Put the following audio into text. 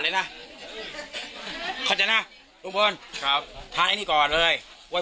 เอาไม่กล้าเอา